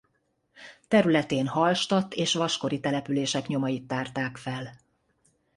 Területén hallstatt és vaskori települések nyomait tárták fel.